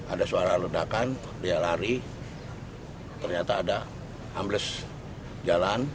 ada suara ledakan dia lari ternyata ada ambles jalan